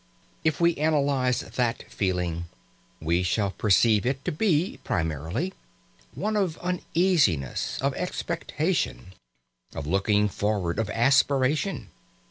If we analyse that feeling, we shall perceive it to be, primarily, one of uneasiness, of expectation, of looking forward, of aspiration.